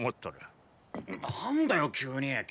何だよ急にィ。